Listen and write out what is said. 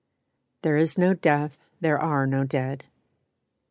"THERE is no death, there are no dead."